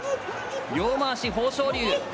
両まわし、豊昇龍。